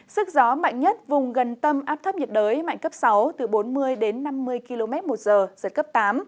sức gió mạnh nhất vùng gần tâm áp thấp nhiệt đới mạnh cấp sáu từ bốn mươi đến năm mươi km một giờ giật cấp tám